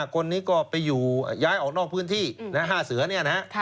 คนนี้ก็ไปอยู่ย้ายออกนอกพื้นที่๕เสือเนี่ยนะฮะ